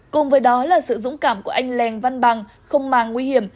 cùng với đó là sự dũng cảm của anh lèng văn bằng không màng nguy hiểm